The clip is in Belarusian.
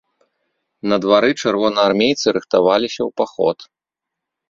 На двары чырвонаармейцы рыхтаваліся ў паход.